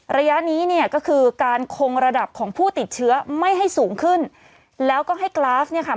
ระยะนี้เนี่ยก็คือการคงระดับของผู้ติดเชื้อไม่ให้สูงขึ้นแล้วก็ให้กราฟเนี่ยค่ะ